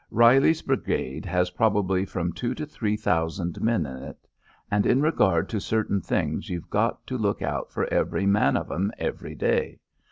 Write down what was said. Reilly's brigade has probably from two to three thousand men in it, and in regard to certain things you've got to look out for every man of 'em every day.